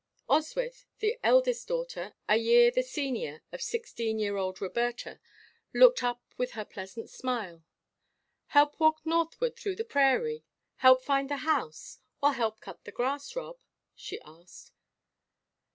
Oswyth, the eldest daughter, a year the senior of sixteen year old Roberta, looked up with her pleasant smile. "Help walk northward through the prairie, help find the house, or help cut the grass, Rob?" she asked.